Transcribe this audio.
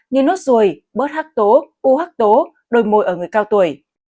như nốt dồi bớt hắc tố u hắc tố đôi môi ở người cao tuổi